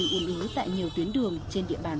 nguyên lý tại nhiều tuyến đường trên địa bàn